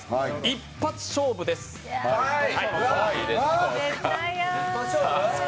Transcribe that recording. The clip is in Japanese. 一発勝負です、はい。